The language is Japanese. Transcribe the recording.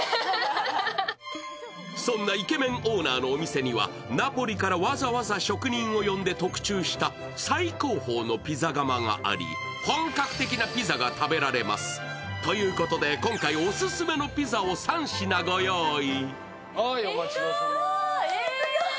そんなイケメンオーナーのお店ににはナポリからわざわざ職人を呼んで特注した最高峰のピザ窯があり、本格的なピザが食べられます。ということで、今回オススメのピザを３品ご用意。